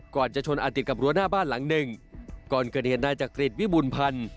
ก่อนจะชนอาจติดกับรั้วหน้าบ้านหลังหนึ่งก่อนเกิดเหตุนายจักริตวิบูรณพันธ์